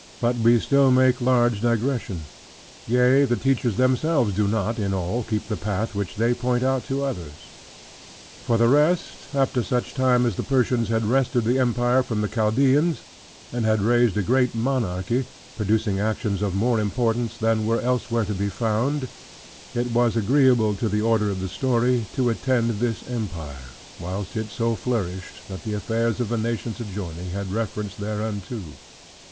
But we still make large digressions: yea, the teachers themselves do not (in all) keep the path which they point out to others. For the rest, after such time as the Persians had wrested the Empire from the Chaldeans, and had raised a great monarchy, producing actions of more importance than were elsewhere to be found; it was agreeable to the order of the story, to attend this Empire; whilst it so flourished, that the affairs of the nations adjoining had reference thereunto.